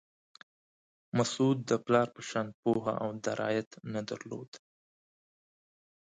مسعود د پلار په شان پوهه او درایت نه درلود.